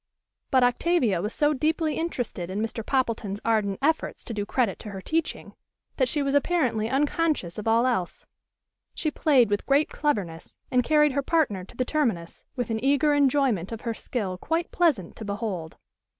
But Octavia was so deeply interested in Mr. Poppleton's ardent efforts to do credit to her teaching, that she was apparently unconscious of all else. She played with great cleverness, and carried her partner to the terminus, with an eager enjoyment of her skill quite pleasant to behold.